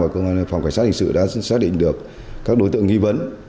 và cơ quan phòng cảnh sát hình sự đã xác định được các đối tượng nghi vấn